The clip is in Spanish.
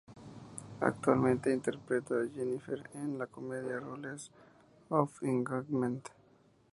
Actualmente interpreta a Jennifer en la comedia "Rules of Engagement".